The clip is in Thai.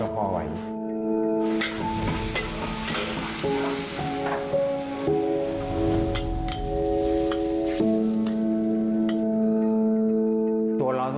เฝ้าและชอบ